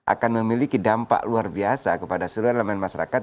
akan memiliki dampak luar biasa kepada seluruh elemen masyarakat